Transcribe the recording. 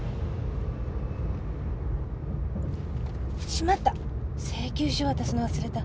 しまった請求書渡すの忘れた。